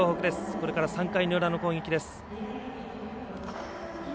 これから３回の裏の攻撃です。